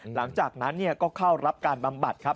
หลังจากนั้นก็เข้ารับการบำบัดครับ